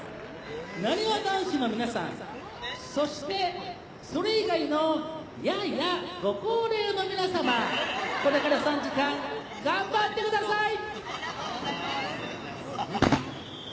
なにわ男子の皆さん、そしてそれ以外のややご高齢の皆様、これから３時間、頑張ってください。